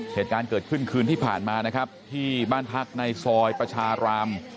เหตุการณ์เกิดขึ้นคืนที่ผ่านมานะครับที่บ้านพักในซอยประชาราม